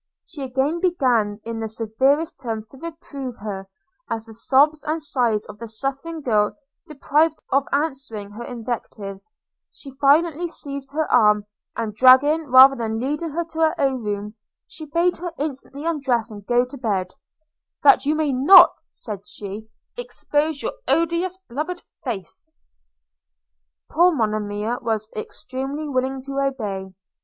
She again began in the severest terms to reprove her; and as the sobs and sighs of the suffering girl deprived her of the power of answering her invectives, she violently seized her arm; and dragging rather than leading her to her own room, she bade her instantly undress and go to bed – 'that you may not,' said she, 'expose your odious blubbered face.' Poor Monimia was extremely willing to obey.